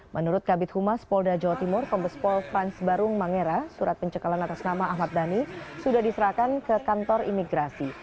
menurut kabit humas polda jawa timur kombespol frans barung mangera surat pencekalan atas nama ahmad dhani sudah diserahkan ke kantor imigrasi